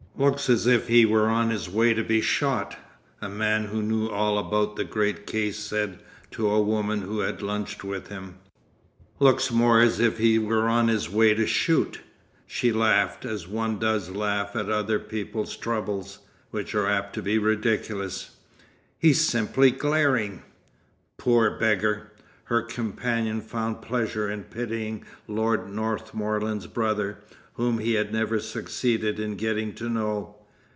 "Looks as if he were on his way to be shot," a man who knew all about the great case said to a woman who had lunched with him. "Looks more as if he were on his way to shoot," she laughed, as one does laugh at other people's troubles, which are apt to be ridiculous. "He's simply glaring." "Poor beggar!" Her companion found pleasure in pitying Lord Northmorland's brother, whom he had never succeeded in getting to know.